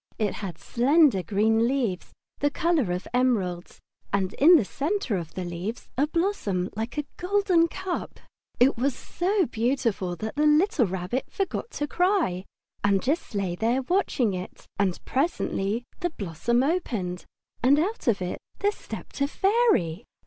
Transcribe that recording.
It had slender green leaves the colour of emeralds, and in the centre of the leaves a blossom like a golden cup. It was so beautiful that the little Rabbit forgot to cry, and just lay there watching it. And presently the blossom opened, and out of it there stepped a fairy.